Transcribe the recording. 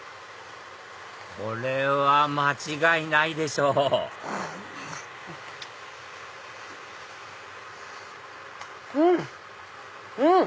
これは間違いないでしょうん！